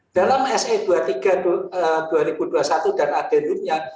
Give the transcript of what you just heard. dalam se dua puluh tiga dua ribu dua puluh satu dan aderiumnya